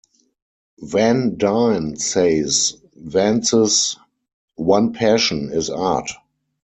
Van Dine says Vance's "one passion" is art.